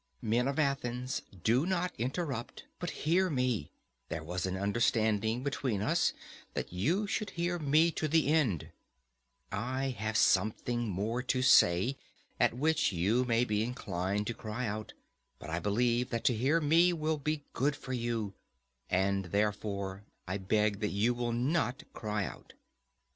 Men of Athens, do not interrupt, but hear me; there was an understanding between us that you should hear me to the end: I have something more to say, at which you may be inclined to cry out; but I believe that to hear me will be good for you, and therefore I beg that you will not cry out.